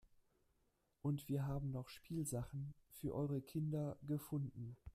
Und wir haben noch Spielsachen für eure Kinder gefunden.